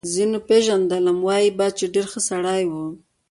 ځینو چې پېژندلم وايي به چې ډېر ښه سړی و